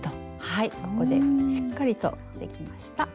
はいここでしっかりとできました。